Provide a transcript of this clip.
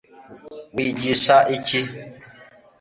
wigisha iki